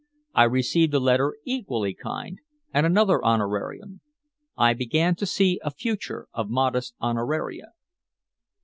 I received a letter equally kind, and another honorarium. I began to see a future of modest honoraria.